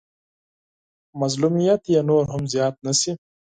مظلوميت يې نور هم زيات نه شي.